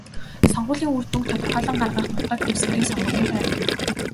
Сонгуулийн үр дүнг тодорхойлон гаргах нутаг дэвсгэрийг сонгуулийн тойрог гэнэ.